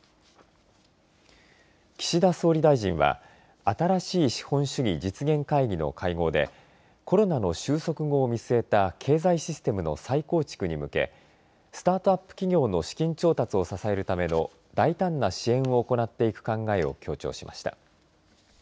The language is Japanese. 岸田総理大臣は新しい資本主義実現会議の会合でコロナの収束後を見据えた経済システムの再構築に向けスタートアップ企業の資金調達を支えるための大胆な支援を行っていく考えを強調しました。